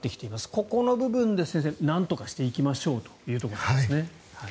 ここの部分で、先生なんとかしていきましょうということなんですね。